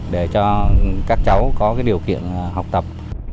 để cho các cháu có điều kiện học tập